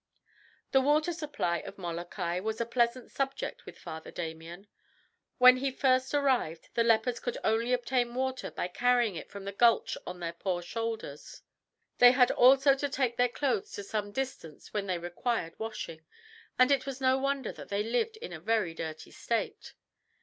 The water supply of Molokai was a pleasant subject with Father Damien. When he first arrived the lepers could only obtain water by carrying it from the gulch on their poor shoulders; they had also to take their clothes to some distance when they required washing, and it was no wonder that they lived in a very dirty state.